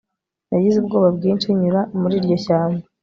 nagize ubwoba bwinshi nyura muri iryo shyamba